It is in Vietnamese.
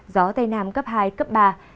gió tây nam cấp hai cấp ba